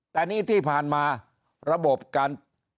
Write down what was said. แต่นี่ที่ผ่านมาระบบการ